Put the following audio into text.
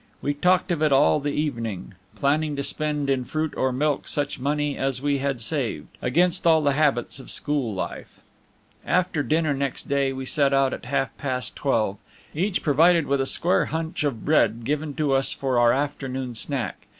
We talked of it all the evening, planning to spend in fruit or milk such money as we had saved, against all the habits of school life. After dinner next day, we set out at half past twelve, each provided with a square hunch of bread, given to us for our afternoon snack.